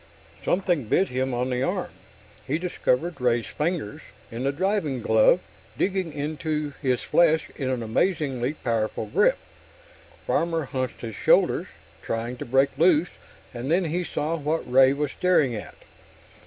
Something bit him on the arm. He discovered Ray's fingers, in the diving glove, digging into his flesh in an amazingly powerful grip. Farmer hunched his shoulders, trying to break loose, and then he saw what Ray was staring at.